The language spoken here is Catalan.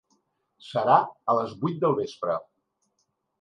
Serà a les vuit del vespre.